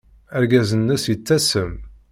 Argaz-nnes yettasem.